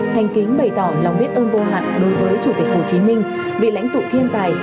thành kính bày tỏ lòng biết ơn vô hạn đối với chủ tịch hồ chí minh vị lãnh tụ thiên tài